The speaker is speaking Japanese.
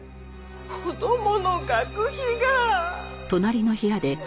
子供の学費が！